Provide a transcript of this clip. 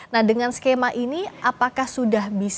nah dengan skema ini apakah sudah bisa